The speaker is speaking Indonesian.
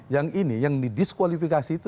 yang ini yang didiskualifikasi itu